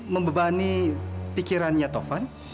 membebani pikirannya taufan